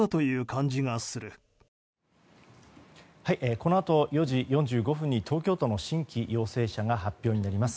このあと４時４５分に東京都の新規陽性者が発表になります。